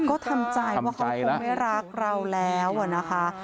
ก็ทำใจว่าเขาคงไม่รักเราแล้วนะคะ